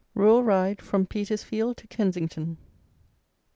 RURAL RIDE FROM PETERSFIELD TO KENSINGTON.